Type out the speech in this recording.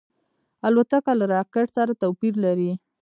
الوتکه له راکټ سره توپیر لري.